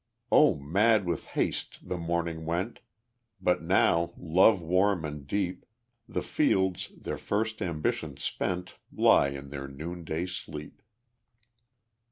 O mad with haste the morning went, But now love warm and deep, The fields, their first ambition spent, Lie in their noonday sleep.